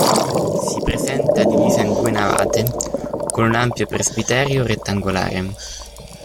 Si presenta divisa in due navate, con un ampio presbiterio rettangolare.